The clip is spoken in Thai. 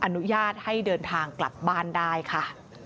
อนุญาตให้เดินทางกลับบ้านได้ค่ะ